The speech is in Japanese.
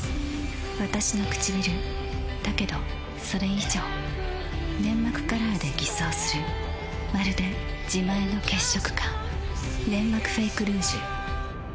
わたしのくちびるだけどそれ以上粘膜カラーで偽装するまるで自前の血色感「ネンマクフェイクルージュ」